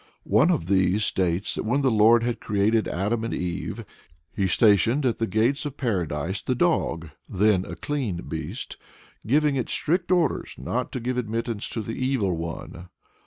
One of these states that when the Lord had created Adam and Eve, he stationed at the gates of Paradise the dog, then a clean beast, giving it strict orders not to give admittance to the Evil One.